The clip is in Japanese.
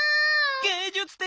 芸術的。